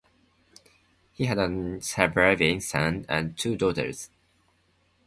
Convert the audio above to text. He had one surviving son and two daughters.